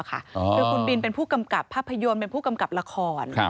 คือคุณบินเป็นผู้กำกับภาพยนตร์เป็นผู้กำกับละคร